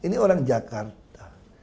ini orang jakarta